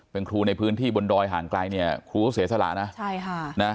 เป็นครูในพื้นที่บนดอยห่างไกลเนี่ยครูก็เสียสละนะใช่ค่ะนะ